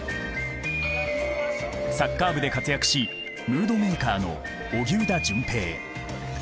サッカー部で活躍しムードメーカーの荻生田隼平。